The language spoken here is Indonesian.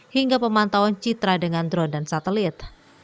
hingga pemantauan citra dengan drone dan satelit